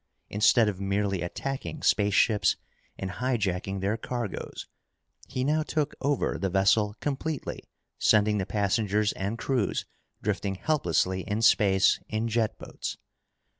Instead of merely attacking spaceships and hijacking their cargoes, he now took over the vessel completely, sending the passengers and crews drifting helplessly in space in jet boats.